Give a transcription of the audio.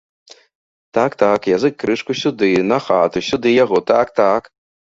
Так, так, язык крышку сюды, на хату, сюды яго, так, так.